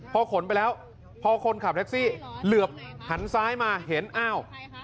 พอขนไปแล้วพอคนขับแท็กซี่เหลือบหันซ้ายมาเห็นอ้าว